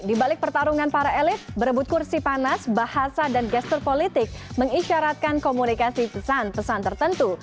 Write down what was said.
di balik pertarungan para elit berebut kursi panas bahasa dan gestur politik mengisyaratkan komunikasi pesan pesan tertentu